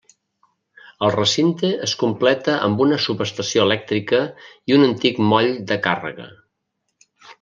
El recinte es completa amb una subestació elèctrica i un antic moll de càrrega.